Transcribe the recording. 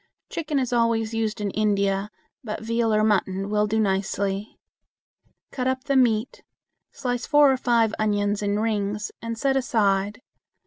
Chicken is always used in India, but veal or mutton will do nicely. Cut up the meat, slice four or five onions in rings, and set aside.